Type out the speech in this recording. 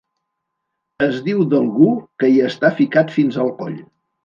Es diu d'algú que hi està ficat fins al coll.